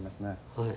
はい。